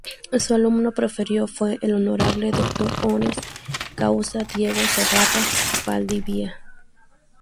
Su alumno preferido fue el honorable Doctor Honoris Causa Diego Zegarra Valdivia.